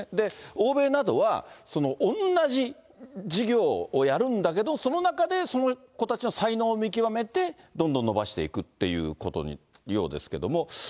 欧米などは、おんなじ授業をやるんだけど、その中でその子たちの才能を見極めてどんどん伸ばしていくということのようですけども。